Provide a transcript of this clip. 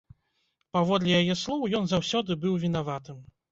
Паводле яе слоў ён заўсёды быў вінаватым.